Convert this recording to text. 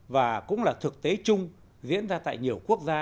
và cũng là thực tế chung diễn ra tại nhiều quốc gia